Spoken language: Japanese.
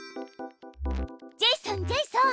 ジェイソンジェイソン！